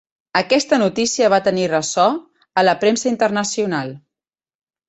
Aquesta notificació va tenir ressò a la premsa internacional.